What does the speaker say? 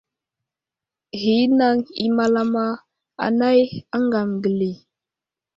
Ghinaŋ i malama anay aŋgam geli.